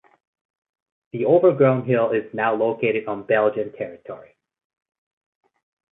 The overgrown hill is now located on Belgian territory.